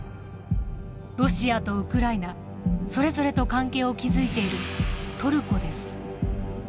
ロシアとウクライナそれぞれと関係を築いているトルコです。